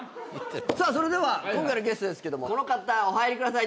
さあそれでは今回のゲストですけどもこの方お入りください。